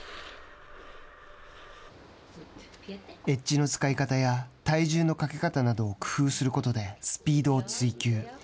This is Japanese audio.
エッジの使い方や体重の掛け方などを工夫することでスピードを追求。